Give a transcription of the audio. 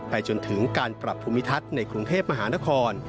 จนถึงการปรับภูมิทัศน์ในกรุงเทพมหานคร